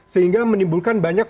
sehingga menimbulkan banyak